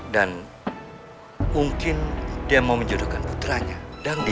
dan mungkin dia mau menjodohkan putranya dandil